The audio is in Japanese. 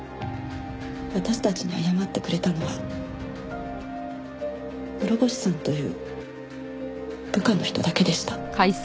私たちに謝ってくれたのは諸星さんという部下の人だけでした。